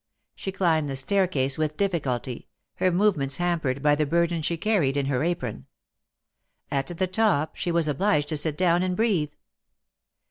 She climbed the staircase with difficulty, her movements hampered by the burthen she carried in her apron. At the top she was obliged to sit down and breathe.